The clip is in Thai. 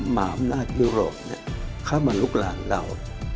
หมาวนาทยุโรปเข้ามาลุกราญเรา